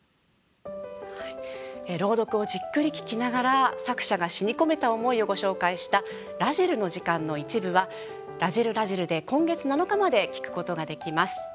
朗読をじっくり聴きながら作者が詩に込めた思いをご紹介した「らじるの時間」の一部は「らじる★らじる」で今月７日まで聴くことができます。